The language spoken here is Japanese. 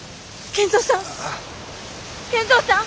賢三さん！